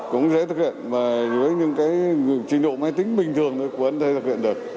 cũng dễ thực hiện với những trình độ máy tính bình thường của ấn thế thực hiện được